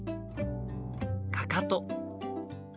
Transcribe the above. かかと。